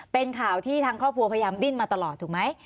เป็นข่าวที่ทางครอบครัวพยายามดิ้นมาตลอดถูกไหม